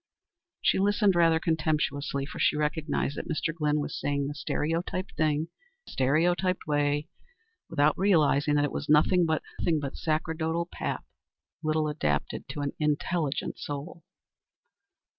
She listened rather contemptuously, for she recognized that Mr. Glynn was saying the stereotyped thing in the stereotyped way, without realizing that it was nothing but sacerdotal pap, little adapted to an intelligent soul.